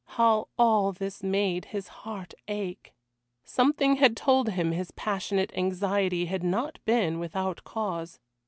How all this made his heart ache! Something had told him his passionate anxiety had not been without cause.